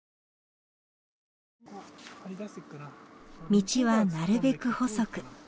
道はなるべく細く